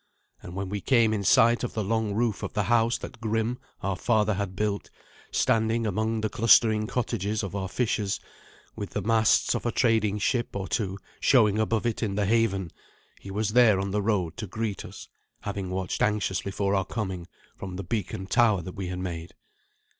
And when we came in sight of the long roof of the house that Grim, our father, had built, standing among the clustering cottages of our fishers, with the masts of a trading ship or two showing above it in the haven, he was there on the road to greet us, having watched anxiously for our coming from the beacon tower that we had made.